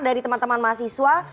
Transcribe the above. dari teman teman mahasiswa